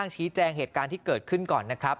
ชี้แจงเหตุการณ์ที่เกิดขึ้นก่อนนะครับ